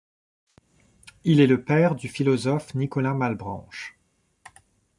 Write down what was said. Il est le père du philosophe Nicolas Malebranche.